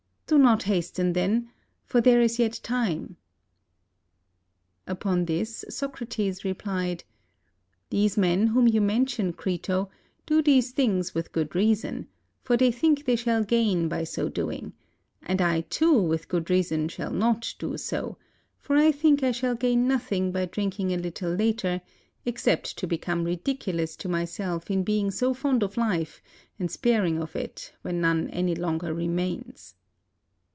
Do not hasten, then, for there is yet time." Upon this, Socrates replied, "These men whom you mention, Crito, do these things with good reason, for they think they shall gain by so doing: and I too with good reason shall not do so; for I think I shall gain noth ing by drinking a little later, except to become ridiculous to myself in being so fond of Ufe and sparing of it when none any longer remains.